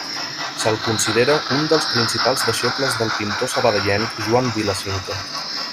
Se'l considera un dels principals deixebles del pintor sabadellenc Joan Vila Cinca.